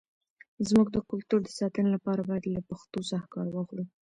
زموږ د کلتور د ساتنې لپاره، باید له پښتو څخه کار واخلو.